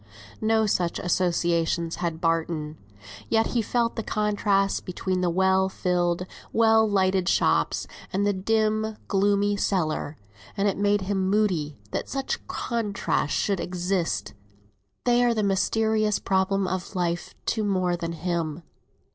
No such associations had Barton; yet he felt the contrast between the well filled, well lighted shops and the dim gloomy cellar, and it made him moody that such contrasts should exist. They are the mysterious problem of life to more than him.